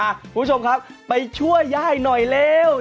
คุณผู้ชมครับไปช่วยย่ายหน่อยเร็ว